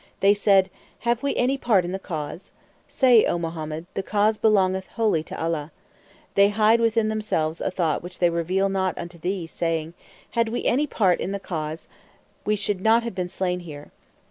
They said: Have we any part in the cause? Say (O Muhammad): The cause belongeth wholly to Allah. They hide within themselves (a thought) which they reveal not unto thee, saying: Had we had any part in the cause we should not have been slain here.